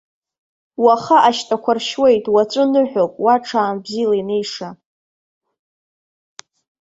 Уаха ашьтәақәа ршьуеит, уаҵәы ныҳәоуп, уа ҽаанбзиала инеиша!